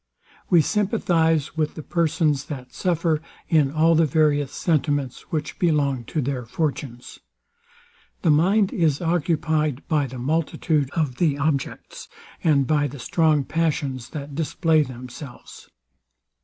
We sympathize with the persons that suffer, in all the various sentiments which belong to their fortunes. The mind is occupied by the multitude of the objects, and by the strong passions, that display themselves.